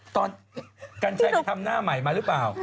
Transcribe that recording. ตอนกันใช่ไปทำหน้าใหม่มาหรือเปล่า